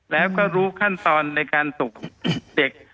แล้วก็รู้ขั้นตอนในการตกเด็ก